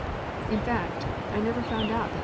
In fact, I never found out that M.